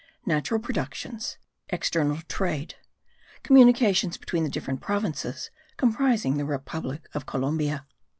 NATURAL PRODUCTIONS. EXTERNAL TRADE. COMMUNICATIONS BETWEEN THE DIFFERENT PROVINCES COMPRISING THE REPUBLIC OF COLUMBIA.